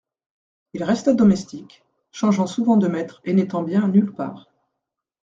Il resta domestique, changeant souvent de maître et n'étant bien nulle part.